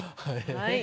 はい。